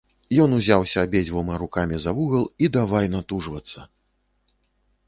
Ён узяўся абедзвюма рукамі за вугал і давай натужвацца.